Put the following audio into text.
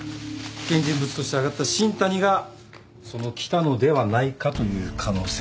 危険人物として挙がった新谷がその喜多野ではないかという可能性もある。